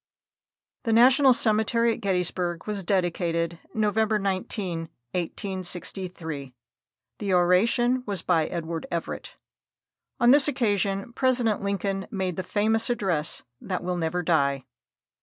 The National Cemetery at Gettysburg was dedicated November 19, 1863. The oration was by Edward Everett. On this occasion President Lincoln made the famous address that will never die.